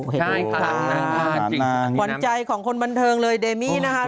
เห็นหรือว่าหวานใจของคนบันเทิงเลยเดมี่นะคะ